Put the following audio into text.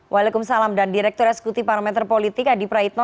waalaikumsalam dan direktur eskuti parameter politik adi praitno